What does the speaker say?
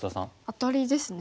アタリですね。